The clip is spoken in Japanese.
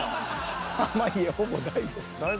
濱家ほぼ大悟。